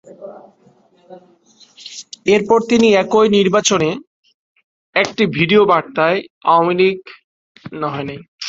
এরপর তিনি একই নির্বাচনে একটি ভিডিও বার্তায় বাংলাদেশ আওয়ামী লীগের পক্ষে নৌকা প্রতীকে ভোট চান।